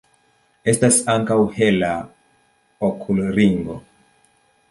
Estas ankaŭ hela okulringo.